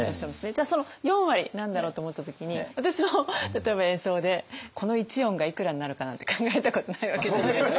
じゃあその４割何だろうと思った時に私も例えば演奏でこの１音がいくらになるかなって考えたことないわけじゃないですか。